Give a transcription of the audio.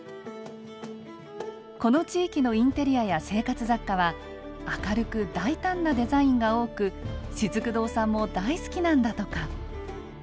この地域のインテリアや生活雑貨は明るく大胆なデザインが多くしずく堂さんも大好きなんだとか。